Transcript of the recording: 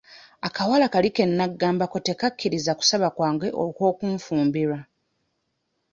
Akawala kali ke naggambako tekakkiriza kusaba kwange okw'okunfumbirwa.